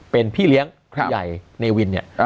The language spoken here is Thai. เป็นพี่เลี้ยงผู้ใหญ่เนวินเนี่ย